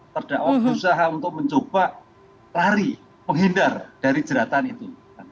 terdakwa berusaha untuk mencoba lari menghindar dari jeratan itu